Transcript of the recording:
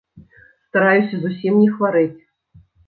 Стараюся зусім не хварэць.